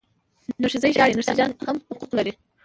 نرښځی ژاړي، نرښځيان هم حقوق لري.